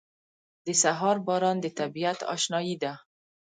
• د سهار باران د طبیعت اشنايي ده.